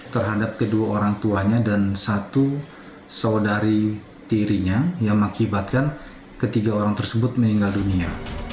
terhadap kedua orang tuanya dan satu saudari tirinya yang mengakibatkan ketiga orang tersebut meninggal dunia